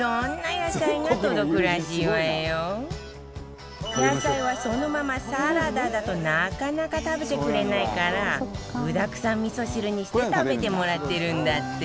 野菜はそのままサラダだとなかなか食べてくれないから具だくさん味噌汁にして食べてもらってるんだって